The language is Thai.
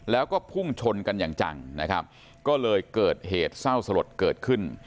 แล้วก็พุ่งชนกันอย่างจังนะครับก็เลยเกิดเหตุเศร้าสลดเกิดขึ้น